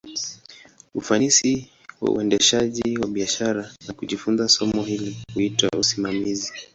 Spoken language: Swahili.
Ufanisi wa uendeshaji wa biashara, na kujifunza somo hili, huitwa usimamizi.